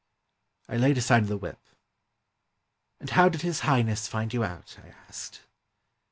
I laid aside the whip. "And how did His Highness find you out?" I asked.